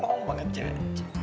loh banget jajan